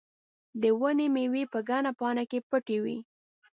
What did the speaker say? د ونې مېوې په ګڼه پاڼه کې پټې وې.